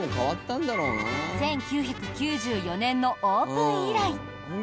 １９９４年のオープン以来